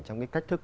trong cái cách thức